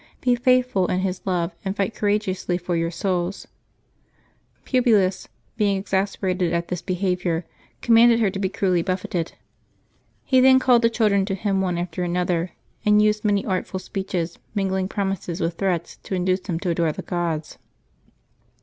Be faithful in His love, and fight courageously for your souls," Publius, being exas perated at this behavior, commanded her to be cruelly buffeted; he then called the children to him one after another, and used many artful speeches, mingling promises with threats to induce them to adore the gods.